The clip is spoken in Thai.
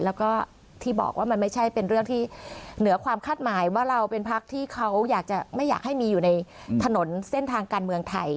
แล้วก็ที่บอกว่ามันไม่ใช่เป็นเรื่องที่เหนือความคาดหมายว่าเราเป็นพักที่เขาอยากจะไม่อยากให้มีอยู่ในถนนเส้นทางการเมืองไทย